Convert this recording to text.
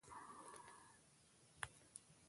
کوټ، کوټ ، کوټ ….